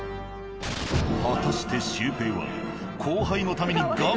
果たしてシュウペイは。